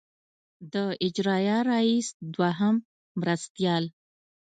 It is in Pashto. د اجرائیه رییس دوهم مرستیال.